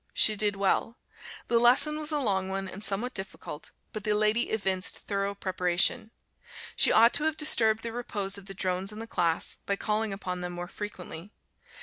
She did well. The lesson was a long one, and somewhat difficult, but the lady evinced thorough preparation. She ought to have disturbed the repose of the drones in the class, by calling upon them more frequently.